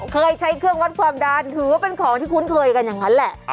เคยใช้เครื่องวัดความดันถือว่าเป็นของที่คุ้นเคยกันอย่างนั้นแหละ